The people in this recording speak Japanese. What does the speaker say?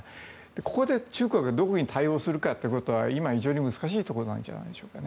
ここで中国がどう対応するかというのは今非常に難しいところなんじゃないでしょうか。